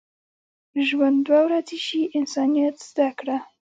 ژوند دوه ورځې شي، انسانیت زده کړه.